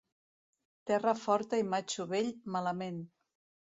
Terra forta i matxo vell, malament.